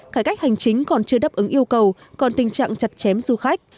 cải cách hành chính còn chưa đáp ứng yêu cầu còn tình trạng chặt chém du khách